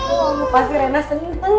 oh pasti lena seneng seneng